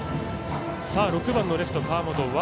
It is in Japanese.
６番のレフト、川元。